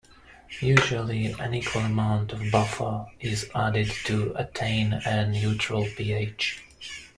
Usually an equal amount of buffer is added to attain a neutral pH.